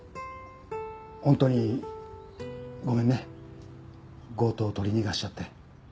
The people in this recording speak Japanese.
本当にごめんね強盗を取り逃がしちゃって。